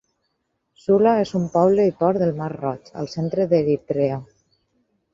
Zula és un poble i port del Mar Roig, al centre d'Eritrea.